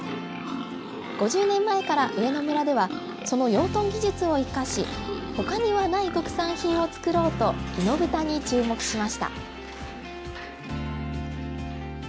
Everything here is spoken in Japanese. ５０年前から上野村ではその養豚技術を生かしほかにはない特産品を作ろうと猪豚に注目しました